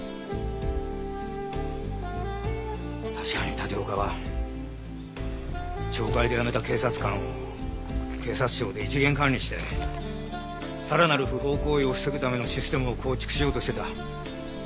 確かに立岡は懲戒で辞めた警察官を警察庁で一元管理してさらなる不法行為を防ぐためのシステムを構築しようとしていた。